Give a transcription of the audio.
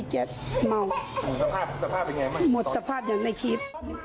หมดสภาพอย่างในคลิป